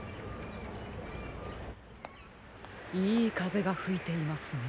いいかぜがふいていますね。